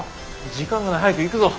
時間がない早く行くぞ。